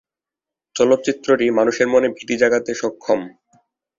চলচ্চিত্রটি মানুষের মনে ভীতি জাগাতে সক্ষম।